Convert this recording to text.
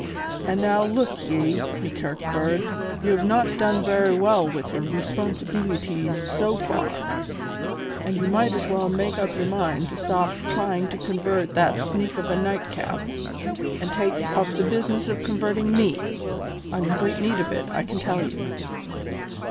And now look ye, me kirk bird, you have not done very well with your 'responsibeelities' so far, and you might as well make up your mind to stop trying to convert that sneak of a Nightcap and take up the business of converting me. I'm in great need of it, I can tell you."